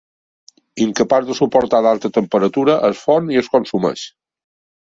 Incapaç de suportar l'alta temperatura, es fon i es consumeix.